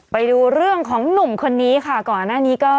ไปดูเรื่องของหนุ่มคนนี้ค่ะก่อนหน้านี้ก็